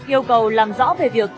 yêu cầu làm rõ về việc